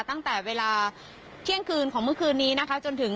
ตั้งแต่เวลาเที่ยงคืนของเมื่อคืนนี้นะคะจนถึง